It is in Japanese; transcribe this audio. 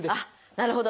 なるほど。